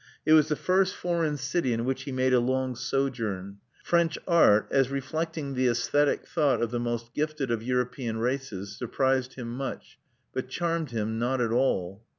It was the first foreign city in which he made a long sojourn. French art, as reflecting the aesthetic thought of the most gifted of European races, surprised him much, but charmed him not at all.